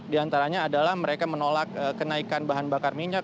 di antaranya adalah mereka menolak kenaikan bahan bakar minyak